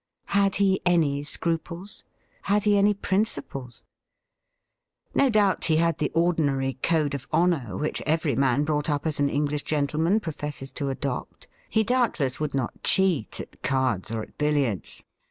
Had he any scruples? Had he any principles.? No doubt he had the ordinary code of honour which every man brought up as an English gentleman professes to adopt. He doubtless would not cheat at cards or at billiards.